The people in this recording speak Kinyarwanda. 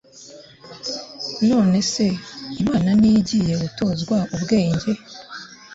none se, imana ni yo igiye gutozwa ubwenge